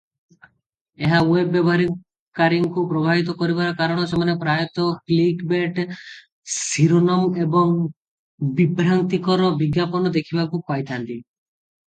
ଏହା ୱେବ ବ୍ୟବହାରକାରୀଙ୍କୁ ପ୍ରଭାବିତ କରିଥାଏ କାରଣ ସେମାନେ ପ୍ରାୟତଃ କ୍ଲିକବେଟ ଶିରୋନାମ ଏବଂ ବିଭ୍ରାନ୍ତିକର ବିଜ୍ଞାପନ ଦେଖିବାକୁ ପାଇଥାନ୍ତି ।